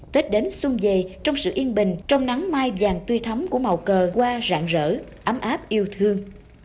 tết đến xuân về trong sự yên bình trong nắng mai vàng tươi thắm của màu cờ hoa rạng rỡ ấm áp yêu thương